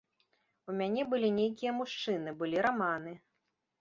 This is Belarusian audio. У мяне былі нейкія мужчыны, былі раманы.